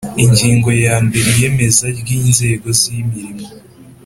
Ingingo ya mbere Iyemeza ry inzego z imirimo